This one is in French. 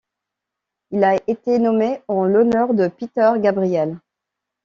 Il a été nommé en l'honneur de Peter Gabriel.